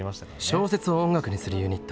「小説を音楽にするユニット」